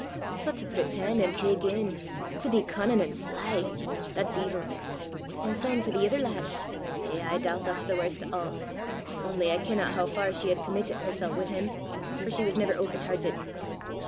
But to preten' an' tak in! to be cunnin' an' sly! that's evil. An' syne for the ither lad eh, I doobt that's warst o' a'! Only I kenna hoo far she had committit hersel' wi' him, for she was never open hertit.